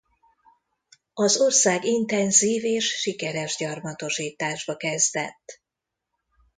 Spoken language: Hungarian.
Az ország intenzív és sikeres gyarmatosításba kezdett.